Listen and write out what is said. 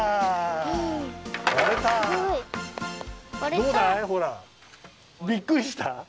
どうだいほらびっくりした？